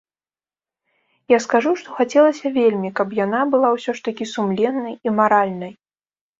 Я скажу, што хацелася вельмі, каб яна была ўсё ж такі сумленнай і маральнай.